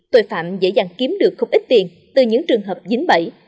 tội phạm dễ dàng kiếm được không ít tiền từ những trường hợp dính bẫy